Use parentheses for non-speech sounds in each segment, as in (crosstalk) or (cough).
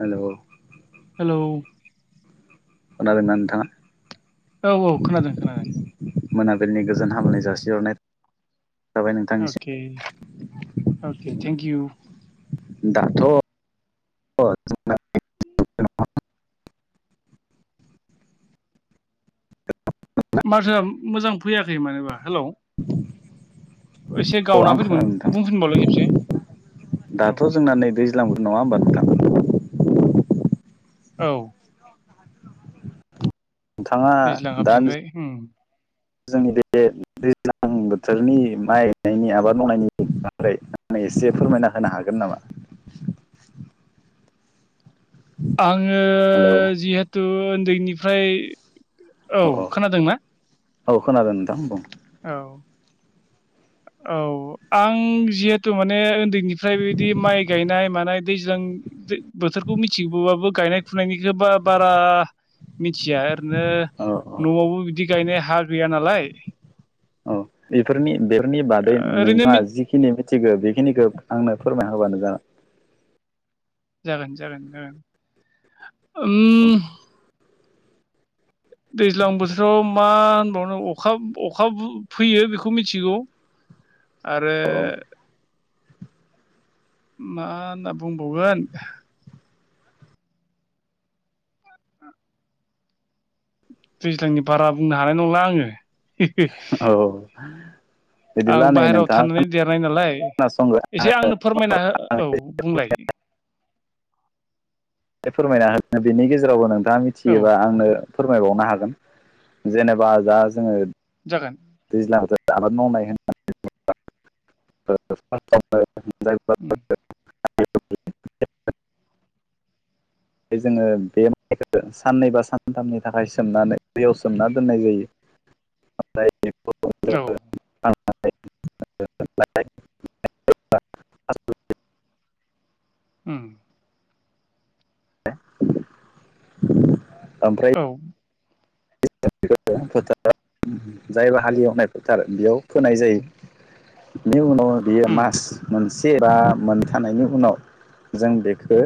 Hello hello खोनादोंना नोंथांआ औ औ खोनादों खोनादों। मोनाबिलिनि गोजोन हामनाय जासिहरनाय थाबाय नोंथांनिसिम अके अके थेंकिइउ। दाथ जोंना माथोआ मोजां फैयाखै मानोबा हेलौ। (inaudible) एसे औ गावना आं फैदोंमोन खोनादों नोंथां बुंफिनबावलै खेबसे। औ दाथ जोंना नै दैज्लां नङा होमबां नोंथां? औ। नोंथाङा दैज्लां दा हाबजेनबाय उम जोंनि बे दैज्लां बोथोरनि माइ गायनायनि आबाद मावनायनि बारै आ एसे फोरमायना होनो हागोन नामा? (inaudible) आङो हेलौ जिहेथु उन्दैनिफ्राय औ अ अ खोनादोंना? औ खोनादों नोंथां बुं औ। औ आं जिहेथु माने उन्दै निफ्राय बेबायदि माइ गायनाय मानाय दैज्लां बोथोरखौ मिथिगोबाबो गायनाय फुनायनिखोबा बारा मिथिया ओरैनो औ औ नआवबो बिदि गायनाय हा गैया नालाय औ बेफोरनि बेफोरनि बादै ओरैनो नोंथाङा जिखिनि मिथिगौ बेखिनिखौ आंनो फोरमाय होबानो जागोन। जागोन जागोन जागोन उम दैज्लां बोथोराव मा होनबावनो अखा अखा फैयो बेखौ मिथिगौ। (inaudible) आरो औ मा होनना बुंबावगोन? दैज्लांनि बारा बुंनो हानाय नंला आङो। औ। बिदिब्ला आं नै बाहेरायाव नोंथाङा थानानै देरनाय नालाय। खोनासंगो एसे आंनो फोरमायना हो औ आंनो बुंलाय? फोरमायना होदोनि बेनि गेजेरावबो नोंथाङा औ मिथियोबा आंनो। फोरमायबावनो हागोन जेनेबा दा जोङो जागोन दैज्लां बोथोर आबाद मावनाय होननानै बुङोब्ला उम (unintelligible) फ्राय जोङो बे माइखौ साननै बा सानथामनि थाखाय सोमनानै दैयाव सोमना दोननाय जायो। औ (unintelligible) (unintelligible) (unintelligible) उम (inaudible) औ। (unintelligible) जायबा हालेवनाय फोथार बेयाव फोनाय जायो बेनि उनाव बियो उम मास मोनसे बा मोनथामनि उनाव जों बेखो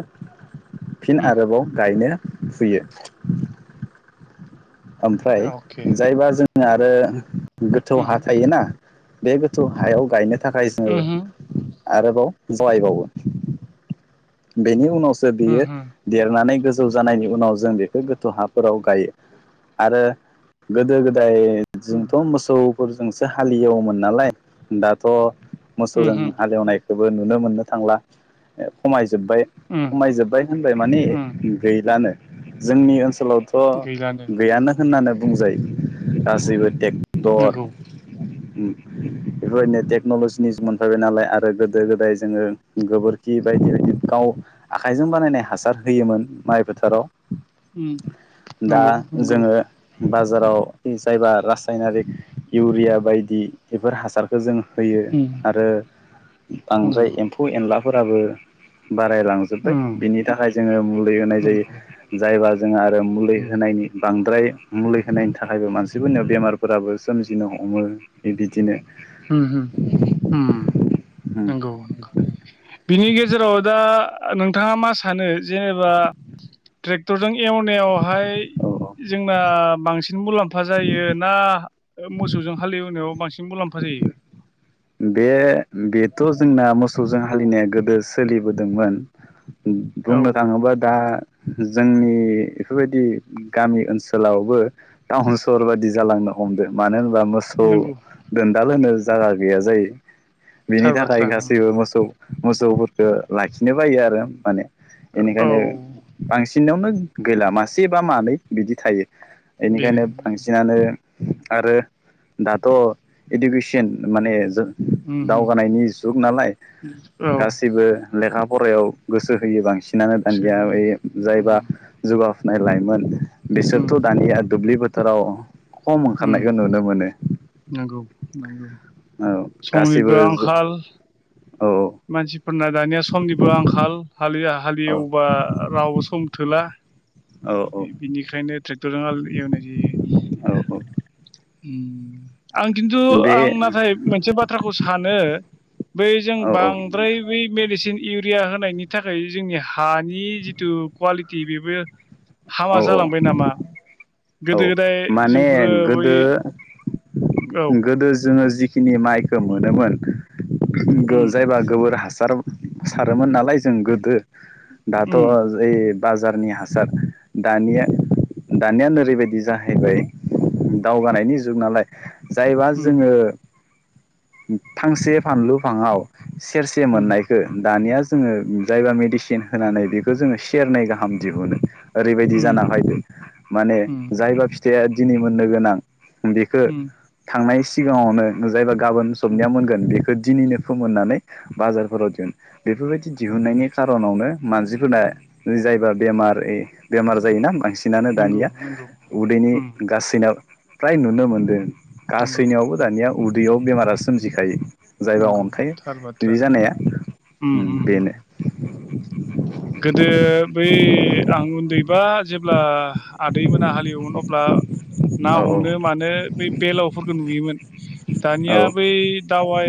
फिन उम आरोबाव गायनो फुयो। ओमफ्राय अके जायबा जों आरो गोथौ उम हा थायोना। बे गोथौ हायाव गायनो थाखाय जोङो। उमहो आरोबाव गायबावो बेनि उनावसो बियो उमहो देरनानै। गोजौ जानायनि उनाव जों बेखौ गोथौ हाफोराव गायो आरो गोदो गोदाय। गोदाय उम जोंथ मोसौफोरजोंसो हालेवोमोन नालाय दाथ। मोसौजों उमहो हालेवनायखौबो नुनो मोननो थांला खमाय- जोबबाय उम खमायजोबबाय होनबाय माने उम गैलानो जोंनि ओनसोल गैलानो ओनसोलावथ' गैयानो होननानै बुंजायो गासैबो टेक- टर नंगौ बेफोरबायदिनो टेक्न'लजिनि मोनफैबाय नालाय आरो गोदो गोदाय जोङो गोबोरखि बाय- बायदि बायदि गाव आखाइजों बानायनाय हासार होयोमोन माइ बोथोराव उम दा नंगौ नंगौ जोङो बाजाराव जायबा रासायनारिक इउरिया बायदि बेफोर हासारखौ जों होयो उम आरो बांद्राय उम एम्फौ एनलाफोराबो बारायलांजोब्बाय उम बिनि थाखाय जोङो मुलि होनाय जायो। नंगौ जायबा जोंहा आरो मुलि उम होनायनि बांद्राय मुलि होनायनि थाखायबो मानसिफोरनि बेमारफोराबो सोमजिनो हमो बिदिनो। हुम हुम हुम। नंगौ नंगौ बिनि गेजेराव दा नोंथाङा मा सानो जेनेबा ट्रेक्टरजों एवनायावहाय औ जोंना बांसिन मुलाम्फा जायो ना मोसौजों हालेवनायाव बांसिन मुलाम्फा जायो। बे बेथ' जोंना मोसौजों हालेवनाया गोदो सोलिबोदोंमोन। औ बुंनो थाङोबा दा जोंनि बेफोरबायदि गामि ओनसोलावबो टाउन सहर बादि जालांनो हमदों मानो होनबा मोसौ नंगौ दोनदालोनो जायगा गैया जायो। बेनि थार थाखाय बाथ्रा उम गासैबो मोसौ मोसौफोरखौ लाखिनो बायो आरो माने। औ बेनिखायनो बांसिनावनो गैला मासे बा मानै बिदि थायो बेनो बेनिखायनो बेनो बांसिनानो आरो दाथ' इडुकेसन माने जों उम उम दावगानायनि जुग नालाय औ गासिबो लेखा फरायाव गोसो होयो बांसिनानो गोसो दानिया होयो जायबा उम जौगाफुनाय लाइमोन उम बिसोरथ' दानिया दुब्लि बोथोराव खम उम ओंखारनायखौ नुनो मोनो। नंगौ नंगौ औ समनिबो गासैबो आंखाल औ मानसिफोरना दानिया समनिबो आंखाल औ हालेवब्ला रावबो सम थोला औ बिनिखायनो ट्रेक्टरजों हाल हालेवनाय जायो। औ उम आं खिन्थु बे आं नाथाय मोनसे बाथ्राखौ सानो बै जों औ औ बांद्राय बै मेडिसिन इउरिया होनायनि थाखाय जोंनि हानि जिथु कवालिटि बेबो हामा औ जालांबाय नामा? औ गोदो गोदाय माने जोंफोरो बै गोदो औ गोदो जोङो जिखिनि माइखौ मोनोमोन उम जायबा गोबोर हासार हासार सारोमोन नालाय जों गोदो दाथ' उम ओइ बाजारनि हासार दानिया दानिया ओरैबायदि जाहैबाय दावगानायनि जुग नालाय जायबा उम जोङो फांसे फानलु फाङाव सेरसे उम मोननायखौ दानिया जोङो जायबा मेडिसिन होनानै बेखौ जोङो सेरनै गाहाम दिहुनो। ओरैबायदि उम जानां माने उम जायबा फिथाइया दिनै मोननो गोनां बेखौ उम थांनाय सिगाङावनो जायबा गाबोन उम सबनिया मोनगोन बेखौ दिनैनो फोमोननानै बाजारफोराव दिहुन बेफोरबायदि नंगौ दिहुननायनि खार'नावनो मानसिफोरना जायबा बेमार बेमार जायोना बांसिन नानो नंगौ दानिया नंगौ उदैनि उम गासैनाव फ्राय नुनो मोनदों। नंगौ गासैनियावबो दानिया उदैयाव बेमारा सोमजिखायो। जायबा नंगौ अन्थायायो थार बाथ्रा बिदि जानाया उम उम उम बेनो गोदो बै आं उन्दैबा जेब्ला आदैमोना हालेवोन अब्ला ना औ हमनो मानो बै बेलावफोरखौ नुयोमोन औ दानिया बै दावाय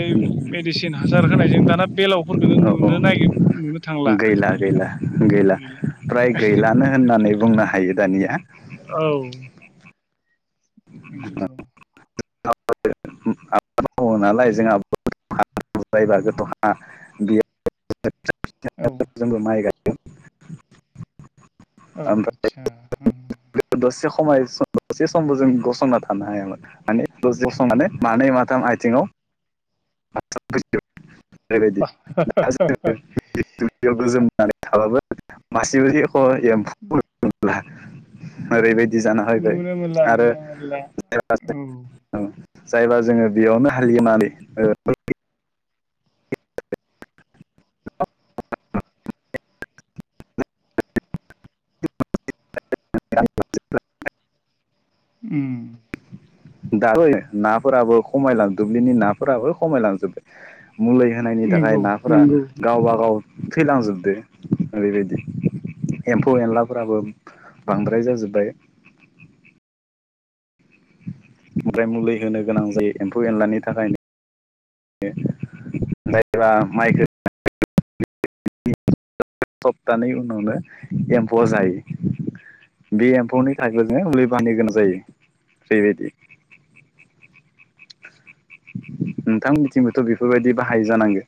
मेडिसिन हासार होनायजों दाना औ बेलावफोरखौो (unintelligible) औ नुनो नागिर नुनो थांला गैला गैला गैला फ्राय गैलानो होननानै बुंनो हायो दानिया औ (inaudible) (inaudible) आबाद मावो नालाय जोंहा जायोबा गोथौ बियो औ (inaudible) जोंबो माइ गायोन (inaudible) औ आसा (unintelligible) समाय सम दसे समबो जों गसंना थानो हायामोन माने दसंनानै मानै माथाम आथिङाव फ (inaudible) बेबायदि बा दा जोङोुब गोजोमानै थाबाबो मासेबोदि (inaudible) ए (inaudible) ओरैबायदि जाना फैबाय नुनो मोनला आरो नुनो मोनला ज औ (unintelligible) औ जायबा जोङो बेयावनो हालियोनानै (unintelligible) (inaudible) उ दा बै नाफोराबो खमायलां दुब्लिनि नाफोराबो खमायलांजोबबाय मुलि होनायनि थाखाय नंगौ नाफोरा नंगौ गावब गाव थैलांजोबद ओरैबायदि एम्फौ एनलाफोराबो बांद्राय जाजोब्बाय ओमफ्राय मुलि होनो गोनां जायो एम्फौ एनलानि थाखायनो दायो्रा माइखौ (inaudible) सप्तानि उनावनो एम्फौ जायो बे एम्फौनि थाखाय जनोङो (unintelligible) लै (unintelligible) बानह गोनां जायो ओैबायदि नोंथां मिथिंबोथ' बेफोरबायदि बाहाय जानांगौ